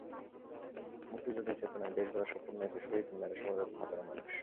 মুক্তিযুদ্ধের চেতনায় দেশ গড়ার শপথ নিয়েছে শহীদ মিনারে সমবেত হাজারো মানুষ।